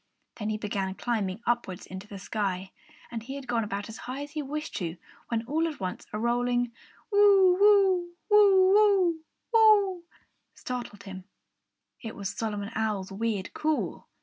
Then he began climbing upwards into the sky. And he had gone about as high as he wished to, when all at once a rolling Whoo whoo whoo, whoo whoo, to whoo ah startled him. It was Solomon Owl's weird call.